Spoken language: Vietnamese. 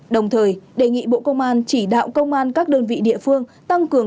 đồng thời đề nghị bộ công an chỉ đạo công an các đơn vị địa phương tăng cường